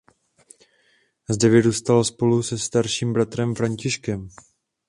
Zde vyrůstal spolu se starším bratrem Františkem.